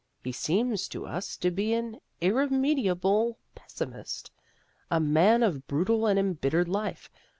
He seems to us to be an irremediable pessimist, a man of brutal and embittered life.